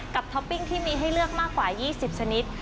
ท็อปปิ้งที่มีให้เลือกมากกว่า๒๐ชนิด